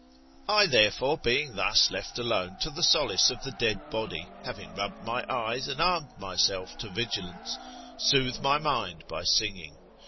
"I, therefore, being thus left alone to the solace of the dead body, having rubbed my eyes, and armed myself to vigilance, soothed my mind by singing.